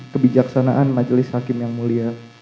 kebijaksanaan majelis hakim yang mulia